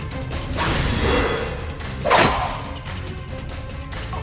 นี่ไงพวกมัน